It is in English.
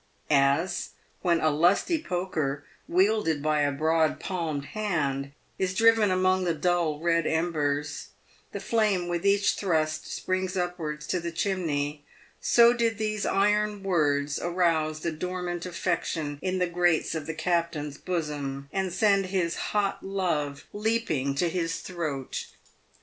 As, when a lusty poker, wielded by a broad palmed hand, is driven among the dull, red embers, the flame with each thrust springs up wards to the chimney, so did these iron words arouse the dormant affection in the grates of the captain's bosom, and send his hot love leaping to his throat.